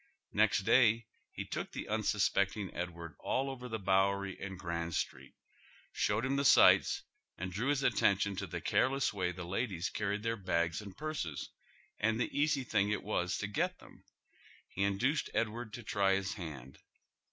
Next day he took tlie unsuspeeting Edward alt over the Bowei y and Grand Street, showed him the sights and drew his at tention to the careless way the ladies carried tlieir bags and purses and the easy thing it was to get them. He induced Edward to try his hand.